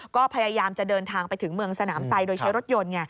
ก็พยายามจะเดินทางไปถึงเมืองสนามไซดโดยใช้รถยนต์